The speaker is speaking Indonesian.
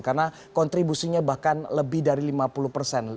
karena kontribusinya bahkan lebih dari lima puluh persen